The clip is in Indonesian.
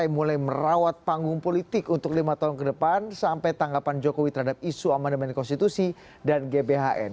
mulai merawat panggung politik untuk lima tahun ke depan sampai tanggapan jokowi terhadap isu amandemen konstitusi dan gbhn